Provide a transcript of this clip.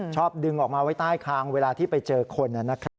ชอบดึงออกมาไว้ใต้คางเวลาที่ไปเจอคนนะครับ